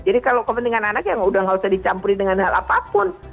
kalau kepentingan anak ya udah gak usah dicampuri dengan hal apapun